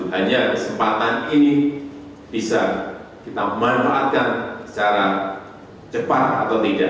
hanya kesempatan ini bisa kita manfaatkan secara cepat atau tidak